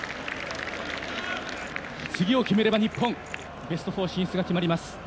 次を決めれば日本ベスト４進出が決まります。